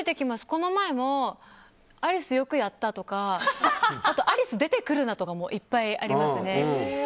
この前もアリスよくやったとかアリス出てくるなとかもいっぱいありますね。